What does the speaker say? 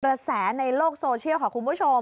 กระแสในโลกโซเชียลค่ะคุณผู้ชม